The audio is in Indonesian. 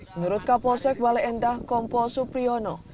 menurut kapolsek balai endah kompol supriyono